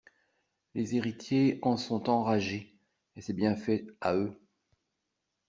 Les héritiers en sont enragés, et c'est bien fait à eux.